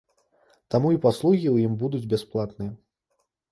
Таму і паслугі ў ім будуць бясплатныя.